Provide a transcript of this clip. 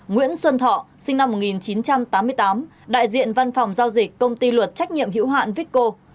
nguyễn xuân thọ sinh năm một nghìn chín trăm tám mươi tám đại diện văn phòng giao dịch công ty luật trách nhiệm hữu hạn vicko